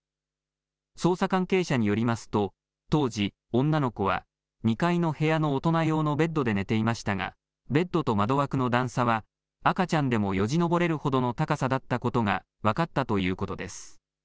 捜査関係者によりますと当時、女の子は２階の部屋の大人用のベッドで寝ていましたがベッドと窓枠の段差は赤ちゃんでもよじ登れるほどの高さだったことが分かったということです。